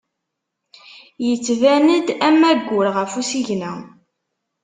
Yettban-d am aggur ɣef usigna.